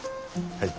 はい。